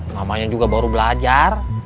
namanya juga baru belajar